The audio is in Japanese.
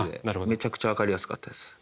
めちゃくちゃわかりやすかったです。